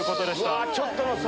うわちょっとの差。